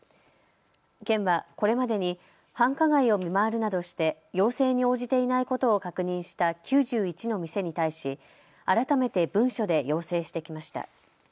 県はこれまでに繁華街を見回るなどして要請に応じていないことを確認した９１の店に対し改めて文書で要請してきました。